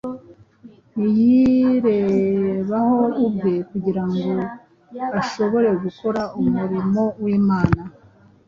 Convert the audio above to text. ntiyirebaho ubwe kugira ngo ashobore gukora umurimo w’imana.